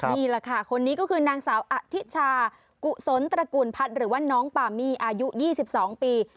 นี่แหละค่ะคนนี้ก็คือนางสาวอธิชากุศลตระกูลพัฒน์หรือว่าน้องปามี่อายุ๒๒ปี